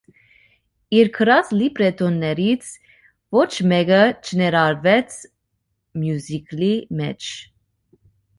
Իր գրած լիբրետոներից ոչ մեկը չներառվեց մյուզիքլի մեջ։